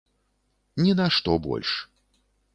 Ні на што больш.